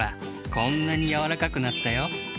こんなにやわらかくなったよ。